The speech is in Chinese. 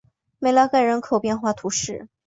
梅拉盖人口变化图示